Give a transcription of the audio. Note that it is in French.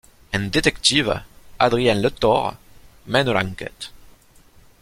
Un détective, Adrien Letort, mène l'enquête.